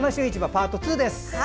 パート２です。